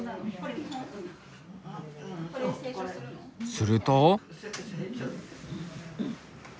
すると。